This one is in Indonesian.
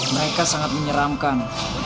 mereka sangat menyeramkan